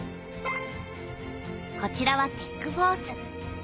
こちらは「テック・フォース」。